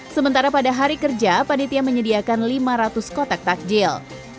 sementara pada hari kerja panitia menyediakan lima ratus kotak takjil